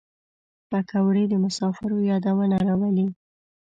پکورې د مسافرو یادونه راولي